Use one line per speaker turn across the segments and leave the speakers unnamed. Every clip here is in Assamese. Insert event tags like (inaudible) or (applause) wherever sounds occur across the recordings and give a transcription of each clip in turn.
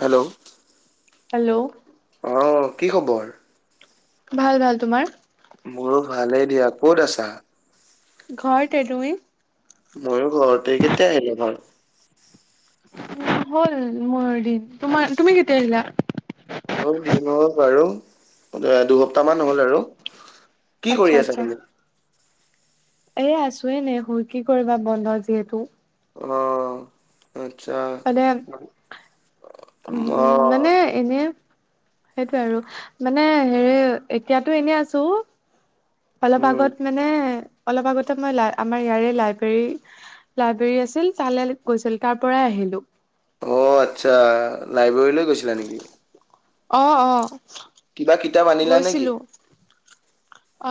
হেল্লো'।
হেল্লো'।
অ', কি খবৰ?
ভাল-ভাল। তোমাৰ?
মোৰো ভালে দিয়া। ক'ত আছা?
ঘৰতে, তুমি?
মইয়ো ঘৰতে, কেতিয়া আহিলা ঘৰত?
উম হ'ল মোৰ দিন, তোমাৰ তুমি কেতিয়া আহিলা?
হ'ল দিন হ'ল বাৰু, দুসপ্তাহ মান হ'ল আৰু। কি
আচ্ছা
কৰি আছা তুমি?
এই আছো এনে শুই কি কৰিবা বন্ধ যিহেতু।
অ। আচ্ছা।
মানে উম
অ
উম মানে এনে সেইটোয়ে আৰু মানে হেৰি এতিয়াতো এনে আছো। অলপ
উম
আগত মানে অলপ আগতে মই লাই আমাৰ ইয়াৰে লাইব্ৰেৰী লাইব্ৰেৰী আছিল তালে গৈছিল তাৰ পৰাই আহিলো।
অ আচ্ছা লাইব্ৰেৰীলৈ গৈছিলা নেকি?
অ', অ',
কিবা কিতাপ আনিলা নেকি?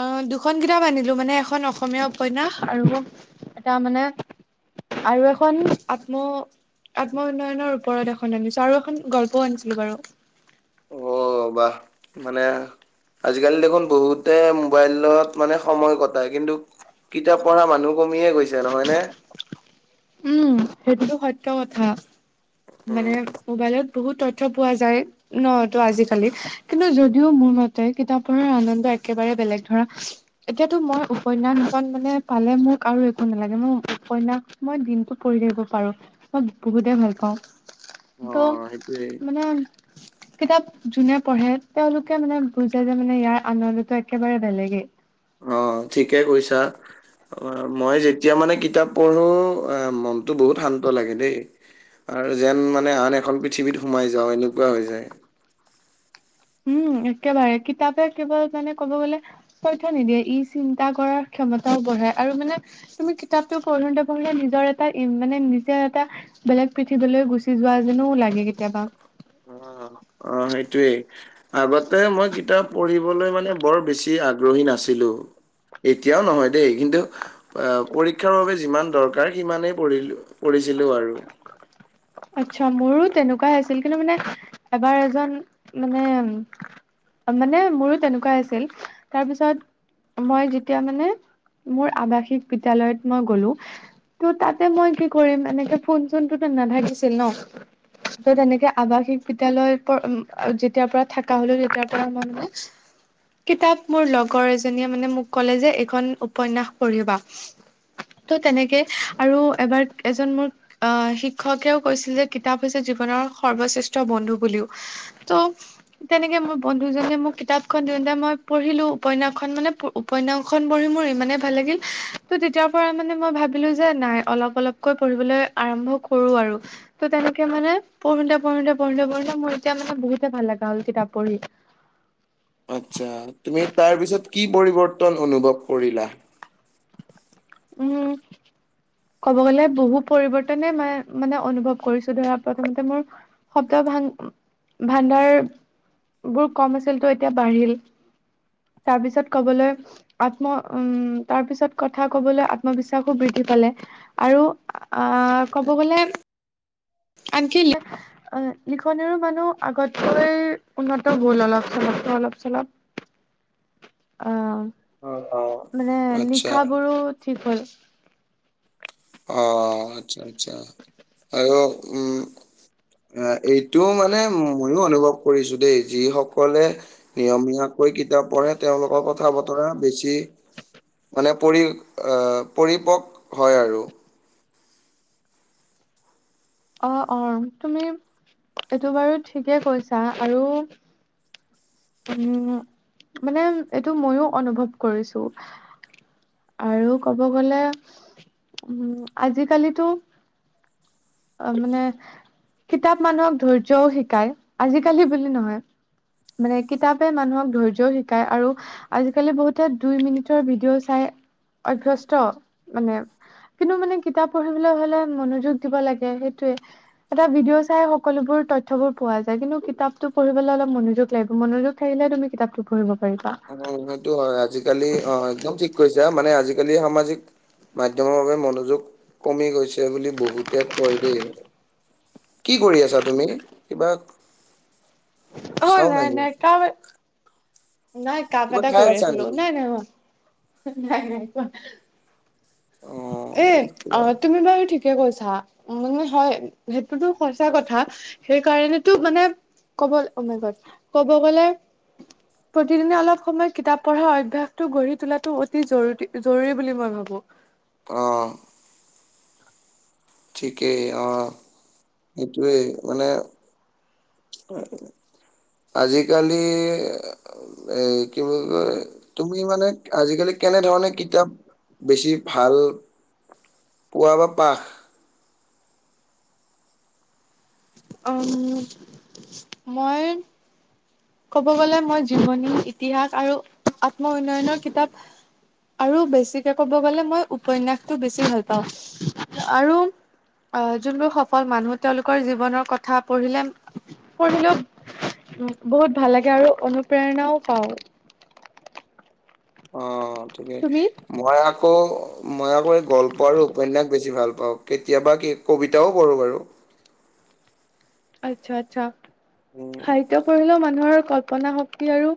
আহ, দুখন কিতাপ আনিলো মানে এখন অসমীয়া উপন্যাস আৰু এটা মানে আৰু এখন আত্ম আত্ম উন্নয়নৰ ওপৰত এখন আনিছো আৰু এখন গল্পও আনিছিলো বাৰু।
অ বাহ মানে আজিকালি দেখোন বহুতে মোবাইলত মানে সময় কটায় কিন্তু কিতাপ পঢ়া মানুহ কমিয়ে গৈছে নহয়নে?
উম, সেইটোতো সত্য কথা। মানে মোবাইলত বহুত তথ্য পোৱা যায়। ন' এই তটো আজিকালি কিন্তু যদিও মোৰ মতে কিতাপ পঢ়াৰ আনন্দ একেবাৰে বেলেগ ধৰা। এতিয়াতো মই উপন্যাসজন মানে পালে মোক আৰু একো নালাগে। মই উপন্যাস মই দিনতো পঢ়ি থাকিব পাৰো মই বহুতে ভাল পাওঁ। ত' মানে
উ (unintelligible)
কিতাপ যোনে পঢ়ে তেওঁলোকে মানে বুজায় যে মানে ইয়াৰ আনন্দতটো একেবাৰে বেলেগেই।
অ' ঠিকে কৈছা। অ' মই যেতিয়া মানে কিতাপ পঢ়ো মনতটো বহুত শান্ত লাগে দেই। আৰু যেন মানে আন এখন পৃথিৱীত সোমাই যাওঁ এনেকুৱা হৈ যায়।
উম, একেবাৰে কিতাপে কেৱল মানে ক'ব গ'লে তথ্য নিদিয়ে ই চিন্তা কৰাৰ ক্ষমতাও বঢ়াই আৰু মানে তুমি কিতাপতটো পঢ়োতে পঢ়িলে নিজৰ এটা মানে নিজৰ এটা বেলেগ পৃথিৱীলৈ গুচি যোৱা যেনো লাগে কেতিয়াবা।
অ', অ', সেইটোৱেই। আগতে মই কিতাপ পঢ়িবলে মানে বৰ বেছি আগ্ৰহী নাছিলোঁ। এতিয়াও নহয় দেই কিন্তু পৰীক্ষাৰ বাবে যিমান দৰকাৰ সিমানেই পঢ়িলো পঢ়িছিলোঁ আৰু।
আচ্ছা, মোৰো তেনেকুৱাই আছিল কিন্তু মানে এবাৰ এজন মানে। মানে মোৰো তেনেকুৱা আছিল তাৰপিছত মই যেতিয়া মানে মোৰ আবাসিক বিদ্যয়ালয়ত মই গ'লো। ত' তাতে মই কি কৰিম এনেকে ফোন চোনটোতো নাথাকিছিল ন। ত' তেনেকে আৱাসিক বিদ্যালয়ৰ যেতিয়াৰ পৰা থকা হলো তেতিয়া পৰা আমাৰ মানে কিতাপ মোৰ লগৰ এজনীয়ে মানে মোক ক'লে যে এইখন উপন্যাস পঢ়িবা। ত' তেনেকে আৰু এবাৰ এজন মোৰ আহ, শিক্ষকেও কৈছিল যে কিতাপ হৈছে জীৱনৰ সৰ্বশ্ৰেষ্ঠ বন্ধু বুলিও ত' তেনেকে মই বন্ধু জনে মোক কিতাপ খন দিওঁতে মই পঢ়িলো, উপন্যাসখন মানে উপন্যাসখন পঢ়ি মোৰ ইমানেই ভাল লাগিল ত' তেতিয়াৰ পৰা মানে মই ভাবিলো যে নাই অলপ-অলপ কৈ পঢ়িবলে আৰম্ভ কৰো আৰু। ত তেনেকে মানে পঢ়োতে-পঢ়োতে-পঢ়োতে-পঢ়োতে মোৰ এতিয়া মানে বহুতে ভাল লগা হ'ল কিতাপ পঢ়ি।
আচ্চা, তুমি তাৰ পিছত কি পৰিৱৰ্তন অনুভৱ কৰিলা?
উম, ক'ব গ'লে বহু পৰিৱৰ্তনে মা মানে অনুভৱ কৰিছো ধৰা প্ৰথমতে মোৰ। শব্দ ভা ভাণ্ডাৰ বোৰ কম আছিল তো এতিয়া বাঢ়িল। তাৰ পিছত কবলে আত্ম উম, তাৰ পিছত কথা কবলে আত্মবিশ্বাসো বৃদ্ধি পালে। আৰু আ ক'ব গ'লে। আনকি অ, লিখনিৰো মানুহ আগতকৈ উন্নত হ'ল অলপ চলপ, অলপ চলপ।
(inaudible)
অ,
অ
মানে
আচ্ছা
লিখাবোৰো ঠিক হ'ল।
অ আচ্ছা আচ্ছা। আৰু উম। আ এইটো মানে ময়ো অনুভৱ কৰিছো দেই যিসকলে। নিয়মীয়াকৈ কিতাপ পঢ়ে তেওঁলোকক কথা বতৰা বেছি মানে পৰি আহ, পৰিপক হয় আৰু।
অ', অ', তুমি এইটো বাৰু ঠিকে কৈছা আৰু। উম, মানে এইটো ময়ো অনুভৱ কৰিছো। আৰু ক'ব গলে উম, আজিকালিতো অ মানে কিতাপ মানুহক ধৈৰ্যও শিকায় আজিকালি বুলি নহয়। মানে কিতাপে মানুহক ধৈৰ্যও শিকায় আৰু। আজিকালি বহুতে দুই মিনিটৰ ভিডিঅ' চাই অভ্যস্ত মানে। কিন্তু মানে কিতাপ পঢ়িবলৈ হলে মনোযোগ দিব লাগে সেইটোয়ে। এটা ভিডিঅ' চাই সকলোবোৰ তথ্য বোৰ পোৱা যায় কিন্তু কিতাপটো পঢ়িবলৈ অলপ মনোযোগ লাগিব মনোযোগ। থাকিলে তুমি কিতাপটো পঢ়িব পাৰিবা।
অ সেইটো হয় আজিকালি অ একদম ঠিক কৈছা মানে আজিকালি সামাজিক। মাধ্যমৰ বাবে মনোযোগ কমি গৈছে বুলি বহুতে কয় দেই। কি কৰি আছা তুমি কিবা।
অ
চাউন
ভাই
আহি
নাই
আছে
কাৱে। (unintelligible) নাই কাম
কিবা
এটা
খাই
কৰি
আছা
আছিলো
নেকি
নাই নাই কোৱা, নাই নাই কোৱা।
অ
এ অ
কিবা-
তুমি বাৰু ঠিক। কৈছা মানে হয় সেইটোতো সচা কথা সেইকাৰণেতো মানে। ক'ব অ মাই গড ক'ব গ'লে।
(unintelligible)
প্ৰতিদিনে অলপ সময় কিতাপ পঢ়া অভ্যয়াসটো গঢ়ি তোলাটো অতি জৰুৰী জৰুৰী বুলি মই ভাবো।
অ। ঠিকেই অ সেইটোৱেই মানে- আজিকালি- এই কি বুলি কয় তুমি মানে আজিকালি কেনেধৰণে কিতাপ- বেছি ভাল পোৱা বা পাখ।
অ মই- ক'ব গ'লে মই জীৱনী, ইতিহাস আৰু আত্ম উন্নয়নৰ কিতাপ। আৰু বেছিকে ক'ব গলে মই উপন্যাসটো বেছি ভাল পাওঁ আৰু। আহ যোনবোৰ সফল মানুহ তেওঁলোকৰ জীৱনৰ কথা পঢ়িলে পঢ়িলেও। উম বহুত ভাল লাগে আৰু অনুপ্ৰেৰণাও পাওঁ।
অ ঠিকেই
তুমি
মই আকৌ মই আকৌ এই গল্প উপন্যাস বেছি ভাল পাওঁ কেতিয়াবা কি কবিতাও কৰোঁ বাৰু
আচ্ছা আচ্ছা
উম
সাহিত্য পঢ়িলো মান। মানুহৰ কল্পনা শক্তি আৰু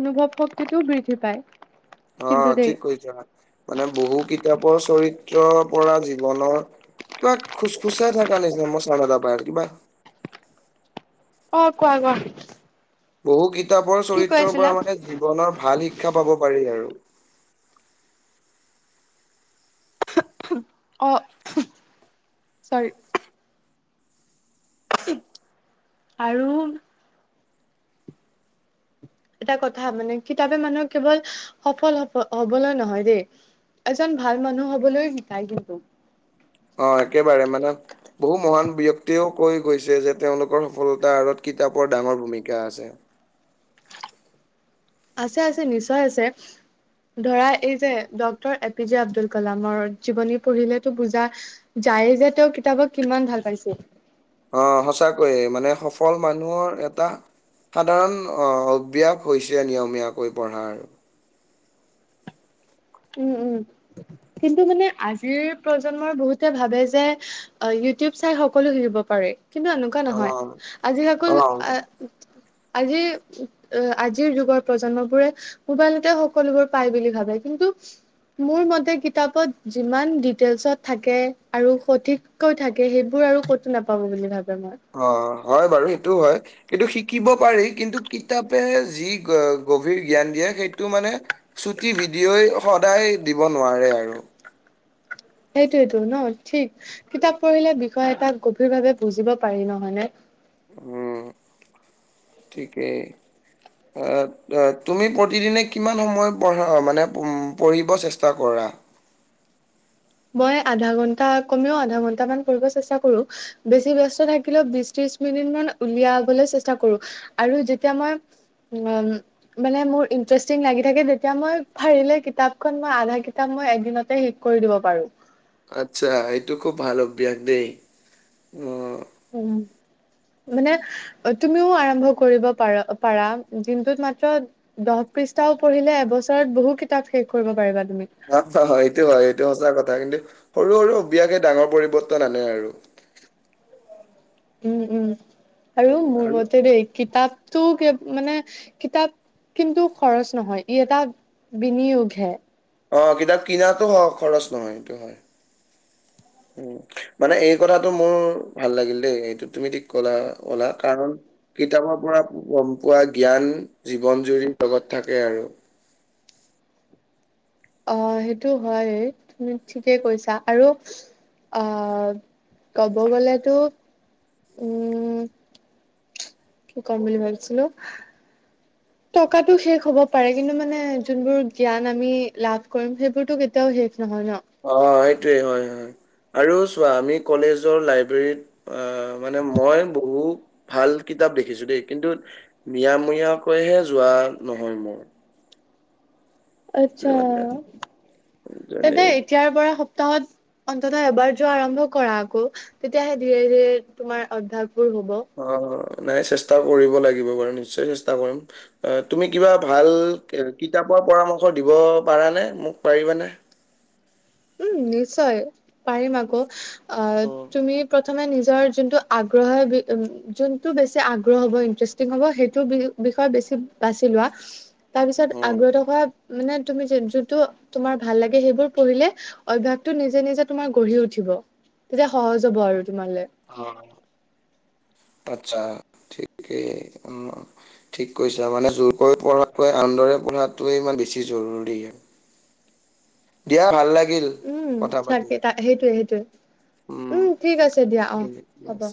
অনুভৱ শক্তিটো বৃদ্ধি পায়।
অ
কিন্তু দেই
ঠিক কৈছা মানে বহু কিতাপৰ চৰিত্ৰৰ পৰা জীৱনৰ। কিবা খোজ খোজিয়ে থকা নিচিনা মই চাওন এটা পাই আছোঁ কিবা
অ কোৱা কোৱা।
বহু কিতাপৰ
কি কৈ
চৰিত্ৰৰ
আছিলা
পৰা মানে জীৱনৰ ভাল শিক্ষা পাব পাৰি আৰু।
অ চৰি। আৰু। এটা কথা মানে কিতাপে মানুহ কেৱল সফল হব হবলৈ নহয় দেই। এজন ভাল মানুহ হবলৈ শিকায় কিন্তু।
অ একেবাৰে মানে। বহু মহান ব্যক্তিয়েও কৈ গৈছে যে তেওঁলোকৰ সফলতাৰ আঁৰত কিতাপৰ ডাঙৰ ভূমিকা আছে।
আছে আছে নিশ্চয় আছে ধৰা এই যে doctor A P J Abdul কালামৰ জীৱনী পঢ়িলেতো বুজা যায়ে যে তেওঁ কিতাপক কিমান ভাল পাইছিল।
অ সঁচাকৈয়ে মানে সফল মানুহৰ এটা- সাধাৰণ অভ্যাস হৈছে নিয়মীয়াকৈ পঢ়াৰ।
উম- উম কিন্তু মানে আজিৰ প্ৰজন্মই বহুতে ভাবে যে অ, ইউটিউব চাই সকলো শিকিব পাৰে। কিন্তু এনেকুৱা
অ
নহয় আজি
অ
আকোল আহ। আজিৰ আজিৰ যুগৰ প্ৰজন্মবোৰে। মোবাইলতে সকলোবোৰ পাই বুলি ভাবে কিন্তু
(inaudible)
মোৰ মতে কিতাপত যিমান ডিটেইলচত থাকে আৰু সঠিক কৈ থাকে সেইবোৰ আৰু ক'তো নাপাব বুলি ভাবে মই।
অ, হয় বাৰু সেইটোও হয়। এইটো শিকিব পাৰি কিন্তু কিতাপে যি গভীৰ জ্ঞান দিয়ে সেইটো মানে চুটি ভিডিঅ'ই সদায় দিব নোৱাৰে আৰু।
সেইটোয়েটো ন' ঠিক কিতাপ পঢ়িলে বিষয় এটাক গভীৰভাৱে বুজিব পাৰি নহয় নে?
উম, ঠিকেই। (unintelligible) তুমি প্ৰতিদিনে কিমান সময় পঢ়া মানে পঢ়িব চেষ্টা কৰা?
মই আধা ঘন্টা কমেও আধা ঘন্টামান পঢ়িব চেষ্টা কৰো। বেছি ব্যস্ত থাকিলেও বিছ ত্ৰিছ মিনিট মান উলিয়াবলৈ চেষ্টা কৰো আৰু যেতিয়া মই (unintelligible) মানে মোৰ ইণ্টাৰেষ্টিং লাগি থাকে যেতিয়া মই ভাবিলে কিতাপ খন আধা কিতাপ মই একদিনতে শেষ কৰি দিব পাৰো।
আচ্ছা এইটো খুব ভাল অভ্যাস দেই অ
উম, মানে অ, তুমিও আৰম্ভ কৰিব পাৰা -পাৰা দিনটোত মাত্ৰ দহ পৃষ্ঠাও পঢ়িলে এবছৰত বহু কিতাপ শেষ কৰিব পাৰিবা তুমি।
(unintelligible) এইটো হয় এইটো সঁচা কথা কিন্তু সৰু- সৰু অভ্যাসে ডাঙৰ পৰিৱৰ্তন আনে আৰু।
উম- উম আৰু মোৰ মতে দেই কিতাপ টো মানে কিতাপ কিন্তু খৰচ নহয় ই এটা বিনিয়োগ হে।
অ' কিতাপ কিনাতো অহ খৰচ নহয় এইটো হয় উম। মানে এই কথাটো মোৰ ভাল লাগিল দেই এইটো তুমি ঠিক ক'লা অলা কাৰণ কিতাপৰ পৰা গম পোৱা জ্ঞান জীৱন জুৰি লগত থাকে আৰু।
অ, সেইটো হয় তুমি ঠিকেই কৈছা আৰু অ, ক'ব গলেতো উম,
(inaudible)
কি কম বুলি ভাবিছিলো
(inaudible)
টকাটো শেষ হ'ব পাৰে কিন্তু মানে যোনবোৰ জ্ঞান আমি লাভ কৰিম সেইবোৰতো কেতিয়াও শেষ নহয় ন।
অ, এইটোৱে হয় -হয় আৰু চোৱা আমি কলেজৰ লাইব্ৰেৰীত আহ, মানে মই বহু ভাল কিতাপ দেখিছো দেই কিন্তু মিয়ামীয়াকৈহে যোৱা নহয় মোৰ।
আচ্ছা এদে এতিয়াৰ পৰা সপ্তাহত অন্তত এবাৰ যোৱা আৰম্ভ কৰা আকৌ তেতিয়াহে ধীৰে- ধীৰে তোমাৰ অভ্যাসবোৰ হ'ব।
অ, নাই চেষ্টা কৰিব লাগিব বাৰু নিশ্চয় চেষ্টা কৰিম। অ, তুমি কিবা ভাল কিতাপৰ পৰামৰ্শ দিব পাৰানে মোক পাৰিবানে?
উম, নিশ্চয় পাৰিম আকৌ আহ
উম
তুমি প্ৰথমে নিজৰ যোনটো আগ্ৰহ যোনটো বেছি আগ্ৰহ হ'ব ইণ্টৰেষ্ট ঠিক হ'ব সেইটো বি -বিষয় বেছি বাছি লোৱা।
(inaudible)
তাৰপিছত
উম
আগ্ৰহ থকা মানে তুমি যে যোনটো তোমাৰ ভাল লাগে সেইবোৰ পঢ়িলে অভ্যাসটো নিজে -নিজে তোমাৰ গঢ়ি উঠিব তেতিয়া সহজ হ'ব আৰু তোমালে।
অ আচ্ছা ঠিকেই অ। ঠিক কৈছা মানে জোৰকৈ পঢ়াটোৱে আনন্দৰে পঢ়াটোৱে ইমান বেছি জৰুৰীহে। দিয়া ভাল লাগিল।
উম,
কথা পাতি
চাকে তা সেইটোৱে সেইটোৱে উম ঠিক আছে দিয়া অ
ঠিক
হ'ব।
আছে।